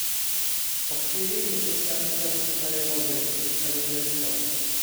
"Po chwili usłyszałem znowu szmer wody i pluskanie wiosła."